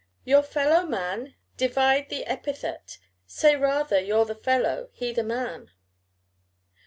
Your fellow man? Divide the epithet: Say rather, you're the fellow, he the man.